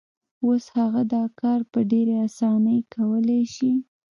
اوس هغه دا کار په ډېرې اسانۍ کولای شي.